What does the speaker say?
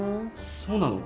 そうなの？